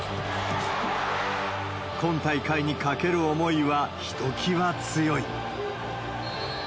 今大会に懸ける思いはひときわ強い。